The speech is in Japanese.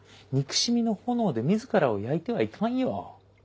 憎しみの炎で自らを焼いてはいかんよ。